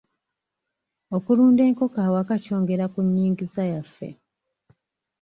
Okulunda enkoko awaka kyongera ku nnyingiza yaffe.